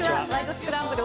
スクランブル」